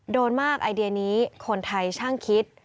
โดนมากไอเดียนี้คนไทยช่างคิด